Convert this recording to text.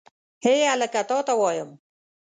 هې هلکه تا ته وایم.